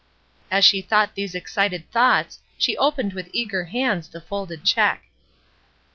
As she thought these excited thoughts she opened with eager hands the folded check.